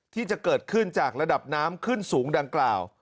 ที่จะเกิดขึ้นจากระดับน้ำขึ้นสูงดังกล่าว